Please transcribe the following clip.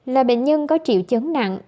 là bệnh nhân có triệu chấn nặng